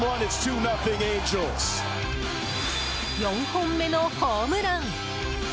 ４本目のホームラン！